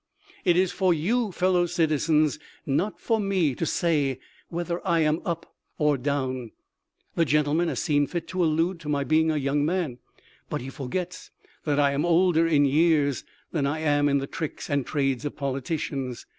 It is for you, fellow citizens, not for me to say whether I am up or down. The gentleman has seen fit to allude to my being a young man ; but he forgets that I am older in years than I am in the tricks and trades of politicians.